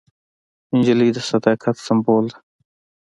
نجلۍ د صداقت سمبول ده.